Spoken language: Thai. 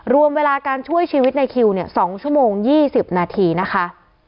รวมเวลาการช่วยชีวิตในคิว๒ชั่วโมง๒๐นาทีนะคะ